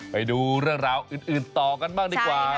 ไปดูราวอื่นต่อกันบ้างดีกว่า